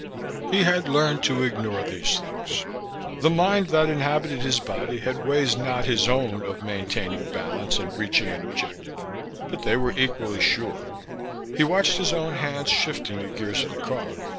He had learned to ignore these things. The mind that inhabited his body had ways not his own of maintaining balance and reaching an objective, but they were equally sure. He watched his own hands shifting the gears of the car.